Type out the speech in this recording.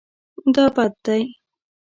دا بد دی